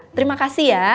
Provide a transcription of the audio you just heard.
terima kasih ya